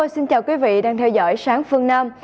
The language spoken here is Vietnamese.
xin chào quý vị đang theo dõi sáng phương nam